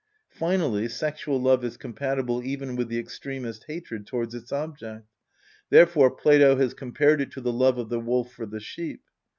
Finally, sexual love is compatible even with the extremest hatred towards its object: therefore Plato has compared it to the love of the wolf for the sheep.